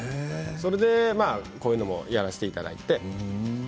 それでこういうのをやらせていただいて。